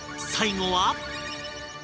最後は